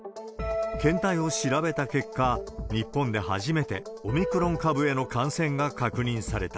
検体を調べた結果、日本で初めてオミクロン株への感染が確認された。